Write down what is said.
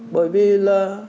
bởi vì là